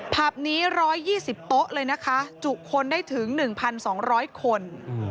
ผับนี้๑๒๐โต๊ะเลยนะคะจุคนได้ถึง๑๒๐๐คน